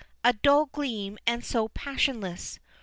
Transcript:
A dull gleam and so passionless.